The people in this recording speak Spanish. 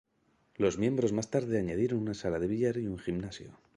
Los miembros más tarde añadieron una sala de billar y un gimnasio.